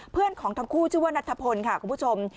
เพื่อนของทั้งคู่ชื่อว่านัทพลค่ะคุณผู้ชม